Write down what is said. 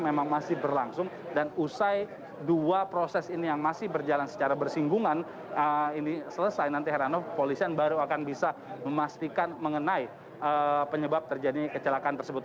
memang masih berlangsung dan usai dua proses ini yang masih berjalan secara bersinggungan ini selesai nanti heranov polisian baru akan bisa memastikan mengenai penyebab terjadi kecelakaan tersebut